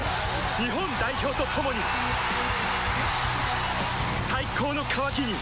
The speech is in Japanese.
日本代表と共に最高の渇きにＤＲＹ